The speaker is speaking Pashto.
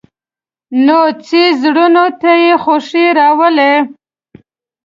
نوی څېز زړونو ته خوښي راولي